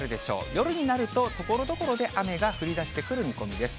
夜になるとところどころで雨が降りだしてくる見込みです。